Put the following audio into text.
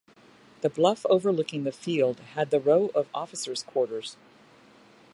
The bluff overlooking the field had the row of officer's quarters.